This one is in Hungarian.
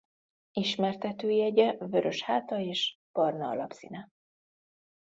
Ismertetőjegye vörös háta és barna alapszíne.